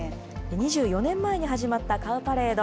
２４年前に始まったカウパレード。